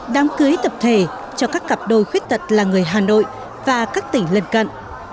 đám cưới tập thể cho các cặp đôi khuyết tật là người hà nội và các tỉnh lân cận